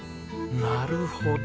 なるほど。